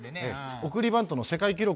送りバントの世界記録を。